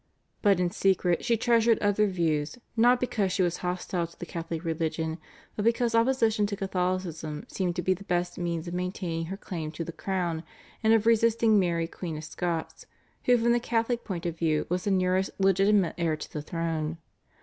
But in secret she treasured other views, not because she was hostile to the Catholic religion, but because opposition to Catholicism seemed to be the best means of maintaining her claim to the crown and of resisting Mary Queen of Scots, who from the Catholic point of view was the nearest legitimate heir to the throne.